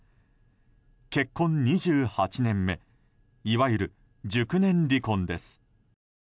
結婚２８年目いわゆる熟年離婚です。